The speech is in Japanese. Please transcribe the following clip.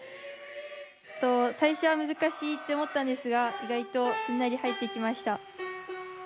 えっと最初は難しいって思ったんですが意外とすんなり入ってきました。